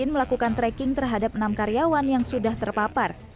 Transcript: melakukan tracking terhadap enam karyawan yang sudah terpapar